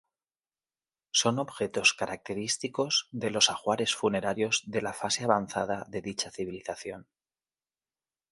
Son objetos característicos de los ajuares funerarios de la fase avanzada de dicha civilización.